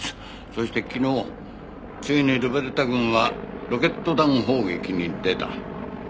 そして昨日ついにルベルタ軍はロケット弾砲撃に出た。